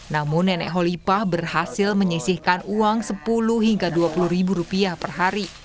namun nenek holipah berhasil menyisihkan uang sepuluh hingga dua puluh ribu rupiah per hari